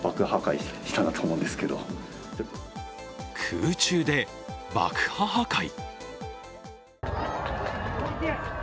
空中で爆破破壊？